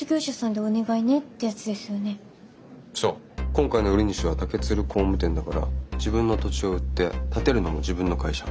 今回の売り主は竹鶴工務店だから自分の土地を売って建てるのも自分の会社。